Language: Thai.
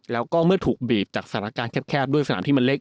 แล้วก็เมื่อถูกบีบจากสถานการณ์แคบด้วยสถานที่มันเล็ก